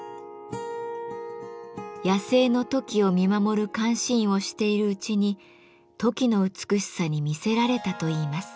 野生のトキを見守る監視員をしているうちにトキの美しさに魅せられたといいます。